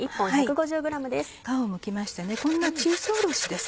皮をむきましてこんなチーズおろしです。